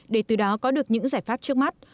để từ đó có được những giải pháp trước mắt